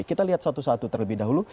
kita lihat satu satu terlebih dahulu